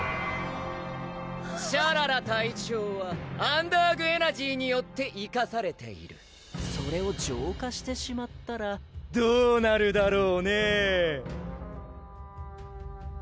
シャララ隊長はアンダーグ・エナジーによって生かされているそれを浄化してしまったらどうなるだろうねぇ？